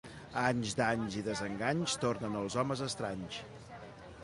Anys, danys i desenganys, tornen els homes estranys.